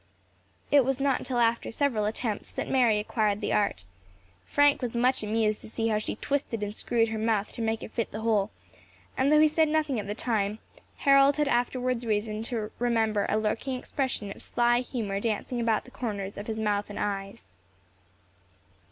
It was not until after several attempts that Mary acquired the art. Frank was much amused to see how she twisted and screwed her mouth to make it fit the hole; and though he said nothing at the time, Harold had afterwards reason to remember a lurking expression of sly humour dancing about the corners of his mouth and eyes.